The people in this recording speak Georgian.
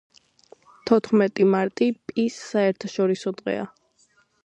თოთხმეტი მარტი "პის" საერტაშორისო დღეა